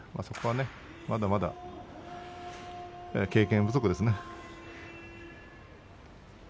そこは、まだまだ経験不足ですね。